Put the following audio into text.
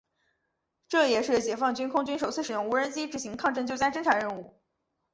这也是解放军空军首次使用无人机执行抗震救灾侦察任务。